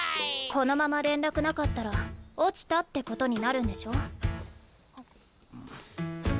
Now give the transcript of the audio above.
このまま連絡なかったら落ちたってことになるんでしょ？